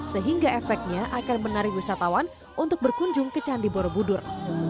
sehingga efeknya akan menarik wisatawan untuk berkunjung ke candi borobudur